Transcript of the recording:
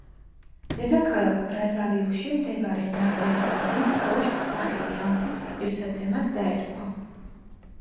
დედაქალაქ ბრაზავილში მდებარე ნაბემბის კოშკს სახელი ამ მთის პატივსაცემად დაერქვა.